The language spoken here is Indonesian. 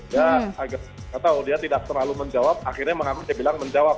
ya agak atau dia tidak terlalu menjawab akhirnya mengamati dia bilang menjawab